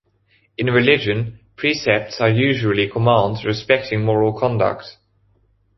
In religion, precepts are usually commands respecting moral conduct.